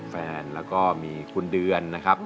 แฟนแล้วก็มีคุณเดือนนะครับ